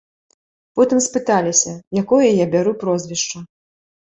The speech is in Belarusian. Потым спыталіся, якое я бяру прозвішча.